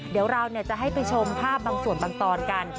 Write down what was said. เดี๋ยวเราจะให้ไปชมภาพบางส่วนบางตอนกัน